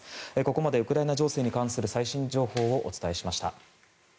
ここまでウクライナ情勢に関する最新情報をお伝えしました。